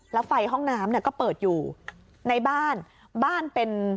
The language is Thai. แล้วไฟห้องน้ำเนี่ยก็เปิดอยู่ในบ้านบ้านเป็น